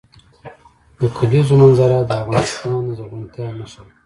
د کلیزو منظره د افغانستان د زرغونتیا نښه ده.